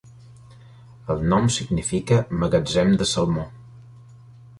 El nom significa "magatzem de salmó".